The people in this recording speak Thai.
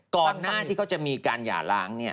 ก่อนหน้าที่เขาจะมีการหย่าล้าง